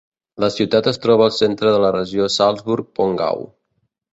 La ciutat es troba al centre de la regió Salzburg Pongau.